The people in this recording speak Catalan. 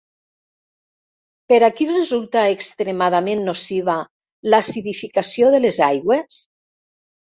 Per a qui resulta extremadament nociva l'acidificació de les aigües?